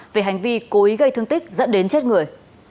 về hành vi cố ý gây thương tích dẫn đến chết người